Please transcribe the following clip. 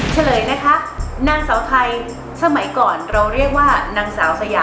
เฉลยนะคะนางสาวไทยสมัยก่อนเราเรียกว่านางสาวสยา